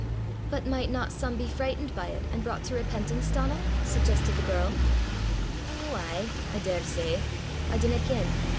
"But might not some be frightened by it, and brought to repentance, Donal?" suggested the girl. "Ou aye; I daur say; I dinna ken.